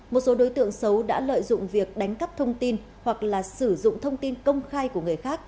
một số đối tượng xấu đã lợi dụng việc đánh cắp thông tin hoặc là sử dụng thông tin công khai của người khác